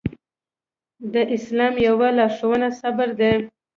د اسلام يوه لارښوونه صبر ده.